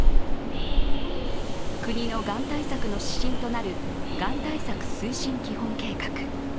国のがん対策の指針となるがん対策推進基本計画。